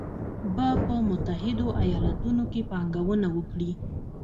به په متحدو ایالتونو کې پانګونه وکړي